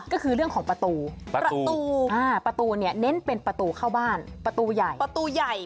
ก็คือเรื่องของประตูประตูเนี่ยเน้นเป็นประตูเข้าบ้านประตูใหญ่ประตูใหญ่